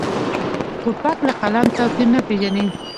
توپک له قلم توپیر نه پېژني.